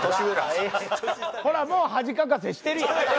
ほらもう恥かかせしてるやん。